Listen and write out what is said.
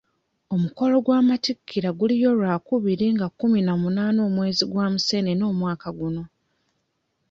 Omukolo gw'amattikira guliyo lwakubiri nga kkumi na munaana omwezi gwa museenene omwaka guno.